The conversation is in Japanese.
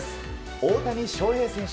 大谷翔平選手